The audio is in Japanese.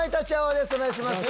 お願いします。